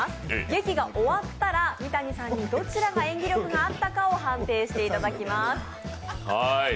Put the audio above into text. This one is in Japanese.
劇が終わったら三谷さんにどちらが演技力があったかを判定してもらいます。